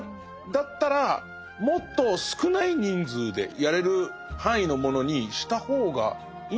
だったらもっと少ない人数でやれる範囲のものにした方がいいんじゃないか。